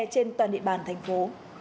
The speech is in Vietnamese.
trên toàn địa bàn thành phố